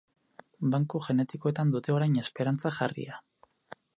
Banku genetikoetan dute orain esperantza jarria.